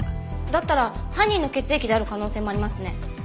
だったら犯人の血液である可能性もありますね。